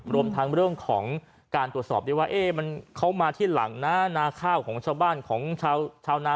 รวมทั้งเรื่องของการตรวจสอบได้ว่าเขามาที่หลังนะนาข้าวของชาวบ้านของชาวนา